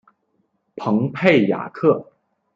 蓬佩雅克。